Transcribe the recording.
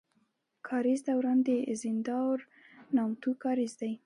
کاريز دوران د زينداور نامتو کاريز دی.